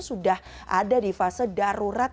sudah ada di fase darurat